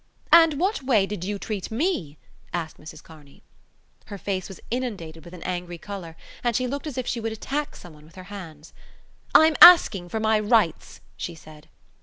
"And what way did you treat me?" asked Mrs Kearney. Her face was inundated with an angry colour and she looked as if she would attack someone with her hands. "I'm asking for my rights," she said.